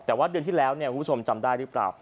แต่ว่าเดือนที่แล้วคุณผู้ชมจำได้หรือเปล่า